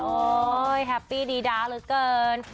โอ้ยแฮปปี้ดีด๊าลุ้ยเกิน